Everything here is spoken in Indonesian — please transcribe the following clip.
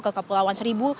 ke kepulauan seribu